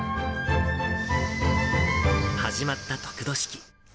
始まった得度式。